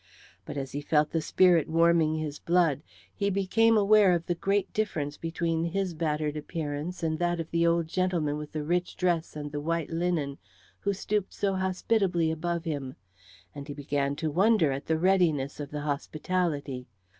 But as he felt the spirit warming his blood, he became aware of the great difference between his battered appearance and that of the old gentleman with the rich dress and the white linen who stooped so hospitably above him, and he began to wonder at the readiness of the hospitality.